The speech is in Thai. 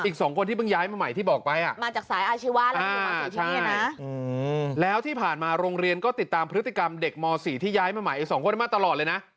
๒คนมาตลอดเลยนะ